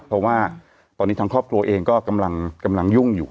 เพราะว่าตอนนี้ทางครอบครัวเองก็กำลังยุ่งอยู่